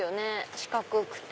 四角くて。